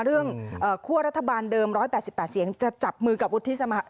เรื่องเอ่อคั่วรัฐบาลเดิมร้อยแปดสิบแปดเสียงจะจับมือกับอุทธิสมา